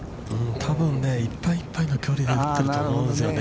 ◆多分、いっぱいいっぱいの距離で打っていると思うんですよね。